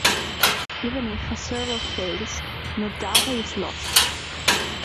Even if a server fails no data is lost.